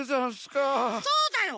そうだよ